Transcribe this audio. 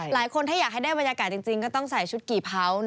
หลายคนถ้าอยากให้ได้บรรยากาศจริงก็ต้องใส่ชุดกี่เผา